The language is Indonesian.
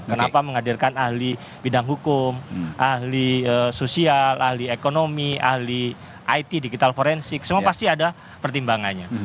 kenapa menghadirkan ahli bidang hukum ahli sosial ahli ekonomi ahli it digital forensik semua pasti ada pertimbangannya